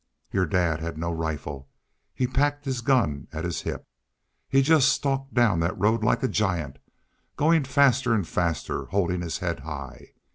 "Your dad had no rifle. He packed his gun at his hip. He jest stalked down thet road like a giant, goin' faster an' faster, holdin' his head high.